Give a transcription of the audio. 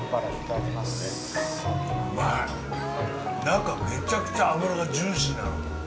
中、めちゃくちゃ脂がジューシーなの。